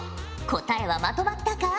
答えはまとまったか？